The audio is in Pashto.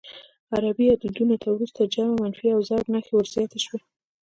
عربي عددونو ته وروسته جمع، منفي او ضرب نښې ور زیاتې شوې.